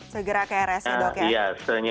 segera ke rs itu dok ya